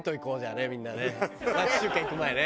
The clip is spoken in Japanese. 町中華行く前ね。